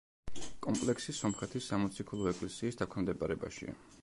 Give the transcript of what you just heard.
კომპლექსი სომხეთის სამოციქულო ეკლესიის დაქვემდებარებაშია.